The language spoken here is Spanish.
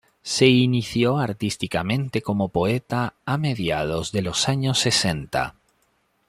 Se inició artísticamente como poeta a mediados de los años sesenta.